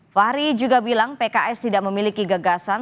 fahri juga bilang pks tidak memiliki gagasan